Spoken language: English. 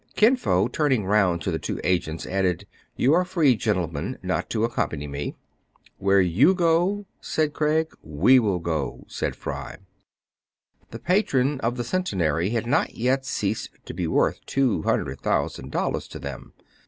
Kin Fo, turning round to the two agents, added, — "You are free, gentlemen, not to accompany me." "Where you go," — said Craig. "We will go," said Fry. The patron of the Centenary had not yet ceased to be worth two hundred thousand dollars to them.